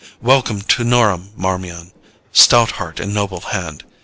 Welcome to Norham, Marmion! Stout heart, and noble hand!